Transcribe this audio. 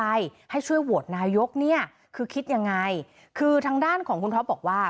ให้ช่วยโหวตนายกเนี่ยคือคิดยังไงคือทางด้านของคุณท็อปบอกว่า